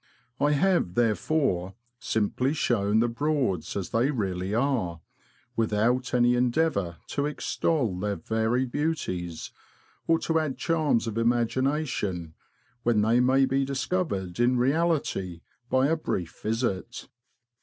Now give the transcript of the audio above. I have, therefore, simply shown the Broads as they really are, without any endeavour to extol their varied beauties, or to add charms of imagination, when they may be discovered in reality by a brief visit.